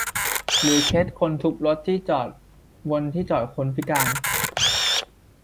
หรือเคสคนทุบรถที่จอดบนที่จอดคนพิการ